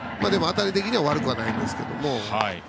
当たり的には悪くないんですけど。